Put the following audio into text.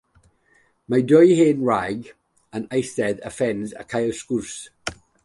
Mae dwy hen wraig yn eistedd ar ffens yn cael sgwrs.